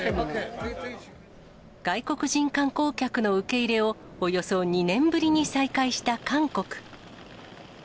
外国人観光客の受け入れをおよそ２年ぶりに再開した韓国。